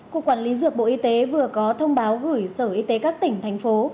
cục quản lý dược bộ y tế vừa có thông báo gửi sở y tế các tỉnh thành phố